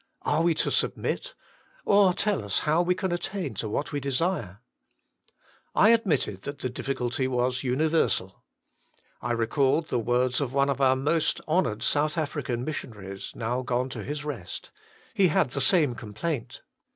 Are we to submit ? Or tell us how we can attain to what we desire ?" I admitted that the difficulty was universal. I recalled the words of one of our most honoured South African missionaries, now gone to his rest : he had the same complaint.